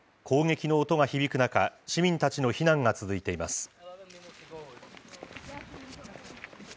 攻撃の音が響く中、市民たちの避難が続いています。